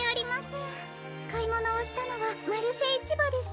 かいものをしたのはマルシェいちばです。